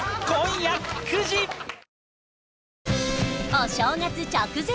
お正月直前！